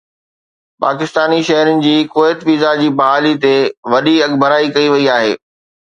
پاڪستاني شهرين جي Kuwait visa جي بحالي تي وڏي اڳڀرائي ڪئي وئي آهي